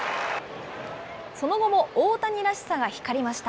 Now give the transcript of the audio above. その後も大谷らしさが光りました。